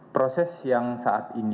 proses yang saat ini